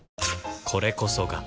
これこそが